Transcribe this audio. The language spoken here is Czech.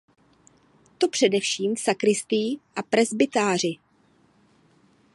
To především v sakristii a presbytáři.